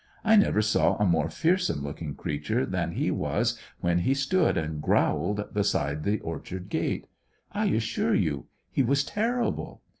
I never saw a more fearsome looking creature than he was when he stood and growled beside the orchard gate. I assure you he was terrible.